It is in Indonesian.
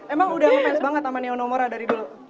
emang udah ngefans banget sama neo nomora dari dulu